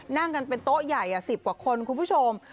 นั่งกันเป็นโต๊ะใหญ่๑๐กว่าคนคุณผู้ชม